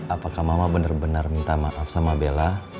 apakah mama bener bener minta maaf sama mama